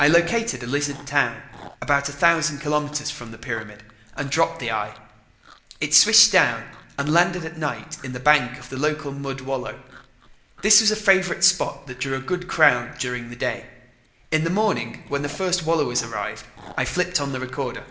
I located a lizard town about a thousand kilometers from the pyramid and dropped the eye. It swished down and landed at night in the bank of the local mud wallow. This was a favorite spot that drew a good crowd during the day. In the morning, when the first wallowers arrived, I flipped on the recorder.